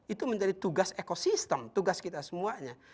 itu menjadi tugas ekosistem tugas kita semuanya